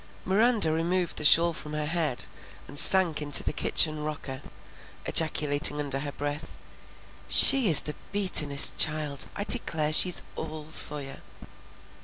Miranda removed the shawl from her head and sank into the kitchen rocker, ejaculating under her breath, "She is the beatin'est child! I declare she's all Sawyer!"